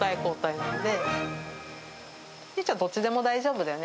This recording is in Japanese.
寧々ちゃん、どっちでも大丈夫だよね？